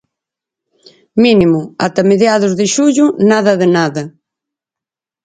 Mínimo ata mediados de xullo nada de nada.